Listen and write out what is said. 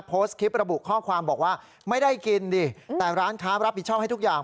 โพสต์คลิประบุข้อความบอกว่าไม่ได้กินดิแต่ร้านค้ารับผิดชอบให้ทุกอย่าง